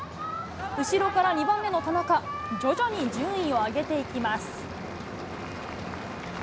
後ろから２番目の田中、徐々に順位を上げていきます。